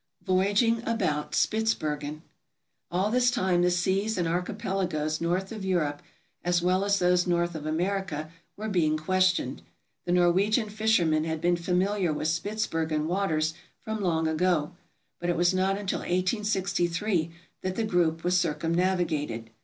Voyaging about Spitzbergen All this time the seas and archipelagoes north of Europe, as well as those north of America, were being questioned. The Norwegian fishermen had been familiar with Spitzbergen waters from long ago, but it was not until 1863 that the group was circumnavigated.